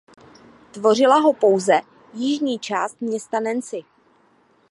Tvořila ho pouze jižní část města Nancy.